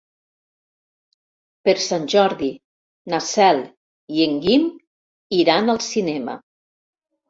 Per Sant Jordi na Cel i en Guim iran al cinema.